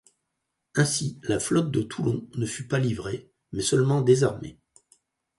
Ainsi, la flotte de Toulon ne fut pas livrée, mais seulement désarmée.